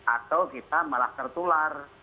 atau kita malah tertular